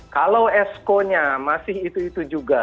kalau esko nya masih itu itu juga